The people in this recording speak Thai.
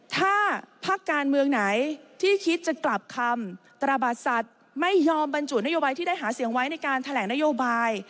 ถ้าพักการเมืองไหนที่คิดจะกลับคำตระบัดสัตว์ไม่ยอมบรรจุนโยบายที่ได้หาเสียงไว้ในการแถลงนโยบาย